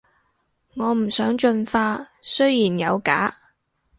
我唔想進化，雖然有假